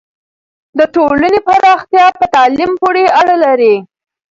د ټولنې پراختیا په تعلیم پورې اړه لري.